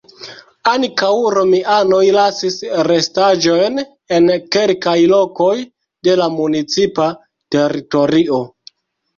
Ankaŭ romianoj lasis restaĵojn en kelkaj lokoj de la municipa teritorio.